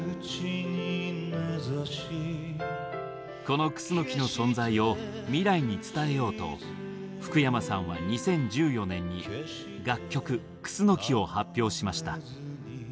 このクスノキの存在を未来に伝えようと福山さんは２０１４年に楽曲「クスノキ」を発表しました。